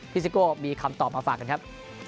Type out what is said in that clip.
ซิโก้มีคำตอบมาฝากกันครับ